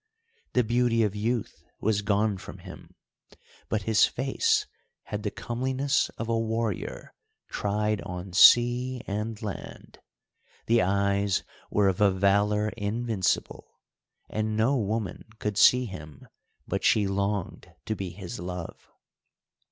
The beauty of youth was gone from him, but his face had the comeliness of a warrior tried on sea and land; the eyes were of a valour invincible, and no woman could see him but she longed to be his love.